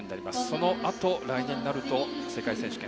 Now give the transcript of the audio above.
そのあと来年になると世界選手権。